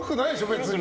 別に。